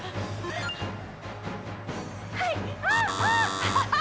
はい。